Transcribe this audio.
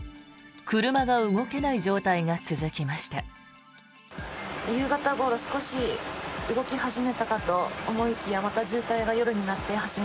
車が動けない状態が続きました。